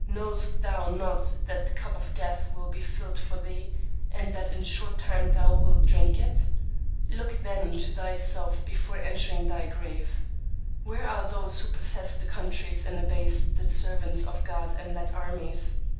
Knowest thou not that the cup of death will be filled for thee, and that in a short time thou wilt drink it? Look then to thyself before entering thy grave. Where are those who possessed the countries and abased the servants of God and led armies?